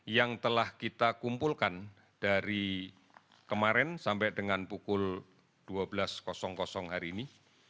yang telah kita kumpulkan dari kemarin sampai dengan pukul dua belas hari ini